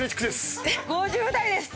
５０代です。